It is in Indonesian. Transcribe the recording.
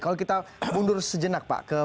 kalau kita mundur sejenak pak ke bulan